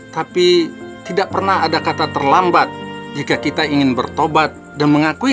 tapi tidak pernah ada kata terlambat jika kita ingin bertobat dan mengakui